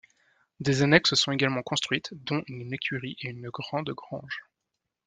Des annexes sont également construites, dont une écurie et une grande grange.